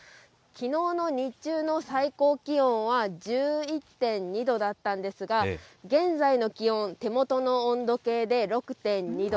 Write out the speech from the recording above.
きのうの日中の最高気温は１１．２度だったんですが、現在の気温、手元の温度計で６．２度。